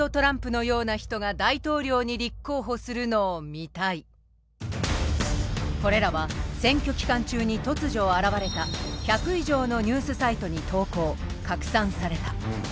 そんな中ネットではこれらは選挙期間中に突如現れた１００以上のニュースサイトに投稿拡散された。